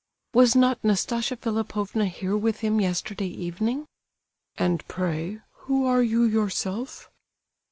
"Was not Nastasia Philipovna here with him, yesterday evening?" "And, pray, who are you yourself?"